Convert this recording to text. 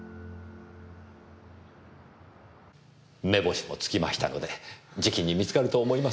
目星もつきましたのでじきに見つかると思います。